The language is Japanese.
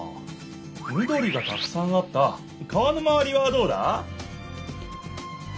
みどりがたくさんあった川のまわりはどうだ？